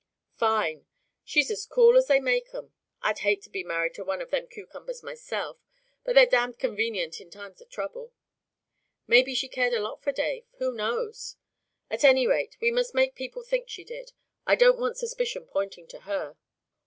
"Fine. She's as cool as they make 'em. I'd hate to be married to one of them cucumbers myself, but they're damned convenient in times of trouble. Maybe she cared a lot for Dave; who knows? At any rate we must make people think she did. I don't want suspicion pointing to her."